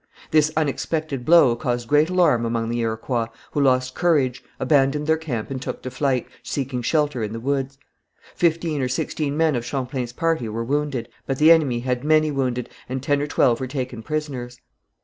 This unexpected blow caused great alarm among the Iroquois, who lost courage, abandoned their camp and took to flight, seeking shelter in the woods. Fifteen or sixteen men of Champlain's party were wounded, but the enemy had many wounded, and ten or twelve were taken prisoners.